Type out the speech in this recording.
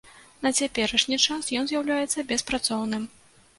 На цяперашні час ён з'яўляецца беспрацоўным.